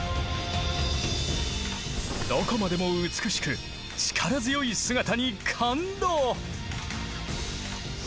どこまでも美しく力強い姿に感動。